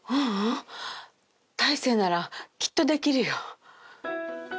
大生ならきっとできるよ。